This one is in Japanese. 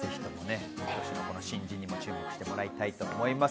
新人にも注目してもらいたいと思います。